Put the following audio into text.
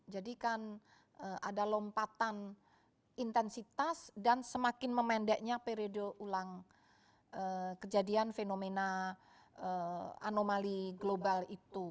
jadi kan ada lompatan intensitas dan semakin memendeknya periode ulang kejadian fenomena anomali global itu